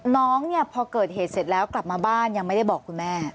น้องเนี่ยพอเกิดเหตุเสร็จแล้วกลับมาบ้านยังไม่ได้บอกคุณแม่